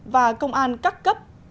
và công an các cấp